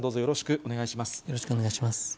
よろしくお願いします。